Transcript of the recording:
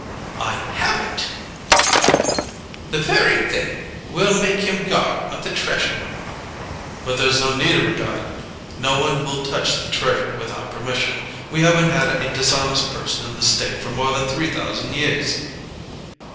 "I have it," he cried. "The very thing. We'll make him guard of the Treasure." "But there's no need of a guard. No one will touch the Treasure without permission. We haven't had a dishonest person in the State for more than three thousand years."